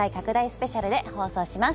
スペシャルで放送します。